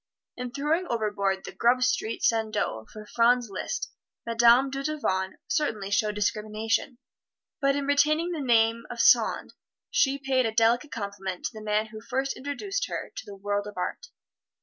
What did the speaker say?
In throwing overboard the Grub Street Sandeau for Franz Liszt, Madame Dudevant certainly showed discrimination; but in retaining the name of "Sand," she paid a delicate compliment to the man who first introduced her to the world of art.